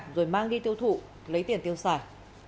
rồi mang đi tiêu thụ lấy tiền tiêu xài